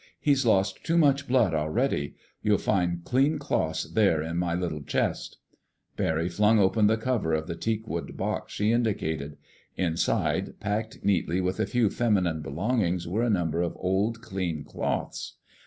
He's lost too much blood already. You'll find clean cloths here in my little chest." Barry flung open the cover of the teakwood box she indicated. Inside, packed neatly with a few feminine belongings, were a number of old, clean cloths.